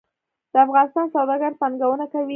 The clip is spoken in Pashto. د افغانستان سوداګر پانګونه کوي